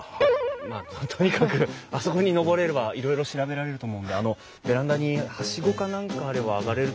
まあとにかくあそこに登れればいろいろ調べられると思うんであのベランダにはしごか何かあれば上がれると思うんですけど。